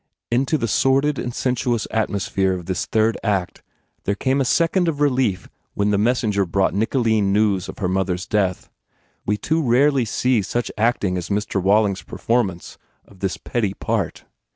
..." Into the sordid and sensuous atmosphere of this third act there came a second of relief when the messenger brought Nicoline news of her mother s death. We too rarely see such acting as Mr. Waiting s performance of this petty part.